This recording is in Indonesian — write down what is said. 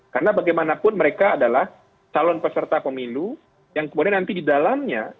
karena bagaimanapun mereka adalah calon peserta pemilu yang kemudian nanti di dalamnya